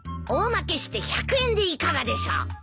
大まけして１００円でいかがでしょう？